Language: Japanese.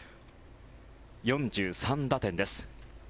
４３打点です。